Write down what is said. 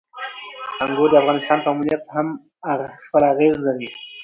انګور د افغانستان په امنیت هم خپل اغېز لري.